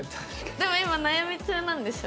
でも今悩み中なんでしょ？